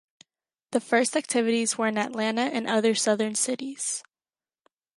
The first activities were in Atlanta and other Southern cities.